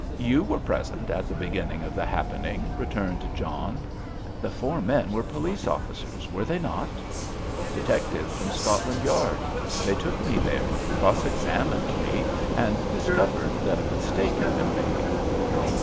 "You were present at the beginning of the happening," returned John. "The four men were police officers, were they not?" "Detectives from Scotland Yard. They took me there, cross examined me, and discovered that a mistake had been made."